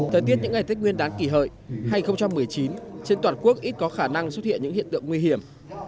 thời tiết những ngày tết nguyên đán kỷ hợi hai nghìn một mươi chín trên toàn quốc ít có khả năng xuất hiện những hiện tượng nguy hiểm